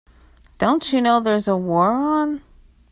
Don't you know there's a war on?